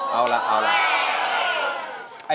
เอาล่ะ